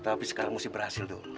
tapi sekarang mesti berhasil tuh